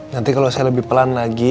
nanti kalau saya lebih pelan lagi